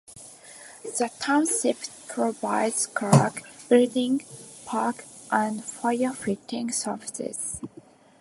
The township provides clerk, building, park, and firefighting services.